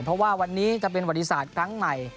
เพราะว่าวันนี้จะเป็นวัติศาสตร์ครั้งใหม่